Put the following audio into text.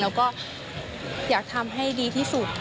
แล้วก็อยากให้ดีที่สุด